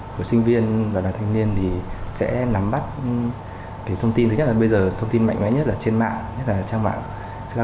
của sinh viên và đoàn thanh niên thì sẽ nắm bắt thông tin thứ nhất là bây giờ thông tin mạnh mẽ nhất là trên mạng nhất là trang mạng